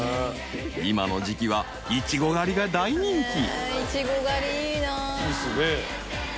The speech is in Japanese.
［今の時季はイチゴ狩りが大人気］